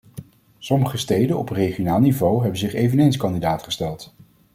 Sommige steden op regionaal niveau hebben zich eveneens kandidaat gesteld.